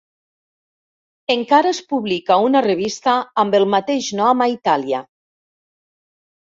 Encara es publica una revista amb el mateix nom a Itàlia.